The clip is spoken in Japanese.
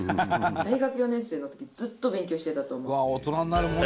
大学４年生の時ずっと勉強してたと思う。